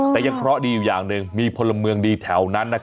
แต่ยังเคราะห์ดีอยู่อย่างหนึ่งมีพลเมืองดีแถวนั้น